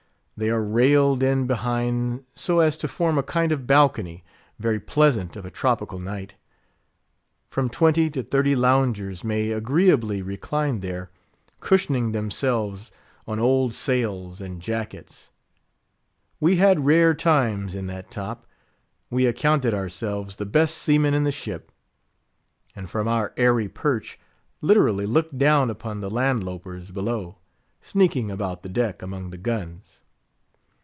They are railed in behind so as to form a kind of balcony, very pleasant of a tropical night. From twenty to thirty loungers may agreeably recline there, cushioning themselves on old sails and jackets. We had rare times in that top. We accounted ourselves the best seamen in the ship; and from our airy perch, literally looked down upon the landlopers below, sneaking about the deck, among the guns.